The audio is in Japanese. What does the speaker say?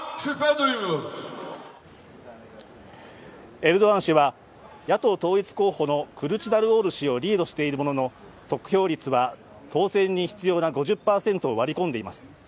エルドアン氏は、野党統一候補のクルチダルオール氏をリードしているものの当選に必要な５０％を割り込んでいます。